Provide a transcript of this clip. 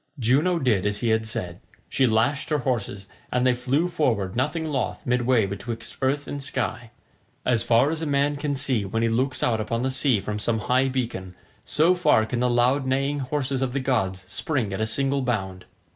Juno did as he had said. She lashed her horses, and they flew forward nothing loth midway betwixt earth and sky. As far as a man can see when he looks out upon the sea from some high beacon, so far can the loud neighing horses of the gods spring at a single bound.